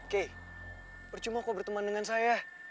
key percuma kau berteman dengan saya